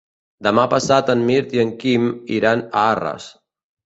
Demà passat en Mirt i en Quim iran a Arres.